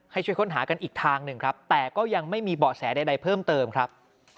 ให้ช่วยค้นหากันอีกทางหนึ่งครับแต่ก็ยังไม่มีเบาะแสใดเพิ่มเติมครับ